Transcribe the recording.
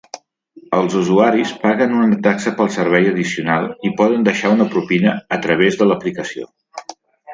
Els usuaris paguen una taxa per servei addicional i poden deixar una propina a través de l'aplicació.